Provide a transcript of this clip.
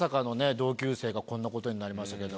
同級生がこんなことになりましたけど。